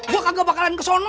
gue kagak bakalan kesana